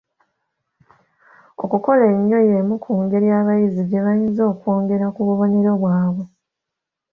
Okukola ennyo y'emu ku ngeri abayizi gye bayinza okwongera ku bubonero bwabwe.